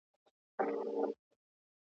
غولکه د وارث په لاس کې ده.